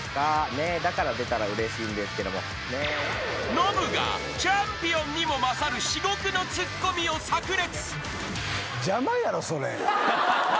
［ノブがチャンピオンにも勝る至極のツッコミを炸裂］